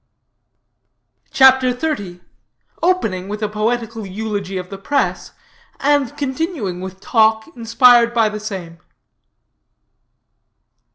CHAPTER XXX. OPENING WITH A POETICAL EULOGY OF THE PRESS AND CONTINUING WITH TALK INSPIRED BY THE SAME.